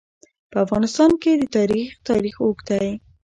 په افغانستان کې د تاریخ تاریخ اوږد دی.